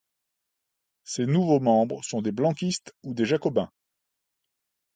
Ces nouveaux membres sont des blanquistes ou des jacobins.